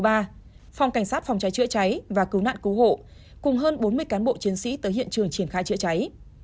phòng cảnh sát phòng cháy chữa cháy và cứu nạn cứu hộ cùng hơn bốn mươi cán bộ chiến sĩ tới hiện trường triển khai chữa cháy